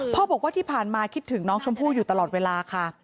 พ่อบอกว่าที่ผ่านมาคิดถึงน้องชมพู่อยู่ตลอดเวลาค่ะ